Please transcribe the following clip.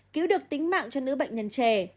cứu được tính mạng cho nữ bệnh nhân trẻ